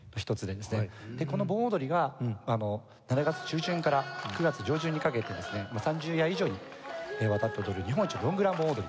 この盆踊りがあの７月中旬から９月上旬にかけてですね三十夜以上にわたって踊る日本一ロングラン盆踊りと。